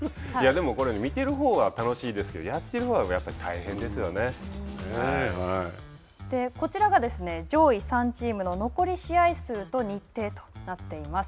でも見ているほうは、楽しいですけれども、やっているほうはやこちらが、上位３チームの残り試合数と日程となっています。